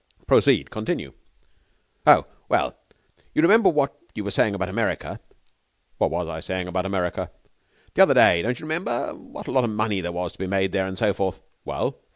'Proceed. Continue.' 'Oh! Well, you remember what you were saying about America?' 'What was I saying about America?' 'The other day, don't you remember? What a lot of money there was to be made there and so forth.' 'Well?'